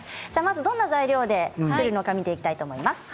どんな材料で作るのか見ていきたいと思います。